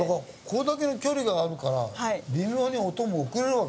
これだけの距離があるから微妙に音も遅れるわけですよね？